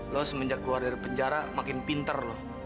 lu semenjak keluar dari penjara makin pinter lu